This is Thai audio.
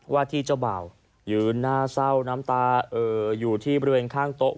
ว่าที่เจ้าบ่าวยืนหน้าเศร้าน้ำตาเอ่ออยู่ที่บริเวณข้างโต๊ะ